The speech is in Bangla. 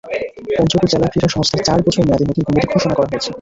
পঞ্চগড় জেলা ক্রীড়া সংস্থার চার বছর মেয়াদি নতুন কমিটি ঘোষণা করা হয়েছে।